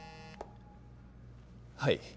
はい。